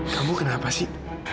kamu kenapa sih